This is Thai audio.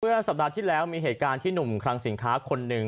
สัปดาห์ที่แล้วมีเหตุการณ์ที่หนุ่มคลังสินค้าคนหนึ่ง